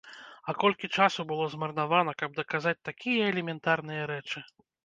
А колькі часу было змарнавана, каб даказаць такія элементарныя рэчы!